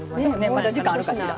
まだ時間あるかしら。